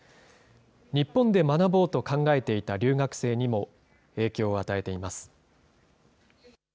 日本で学ぼうと考えていた留学生にも影響を与えています。